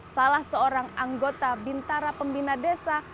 salah seorang anggota bintara pembina desa